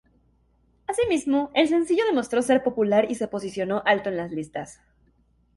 Así mismo, el sencillo demostró ser popular y se posicionó alto en las listas.